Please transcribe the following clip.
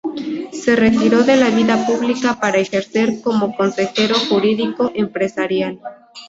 Se retiró de la vida pública para ejercer como consejero jurídico empresarial.